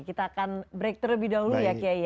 kita akan break terlebih dahulu ya kiai